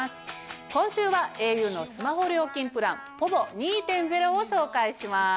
今週はａｕのスマホ料金プランｐｏｖｏ２．０を紹介します！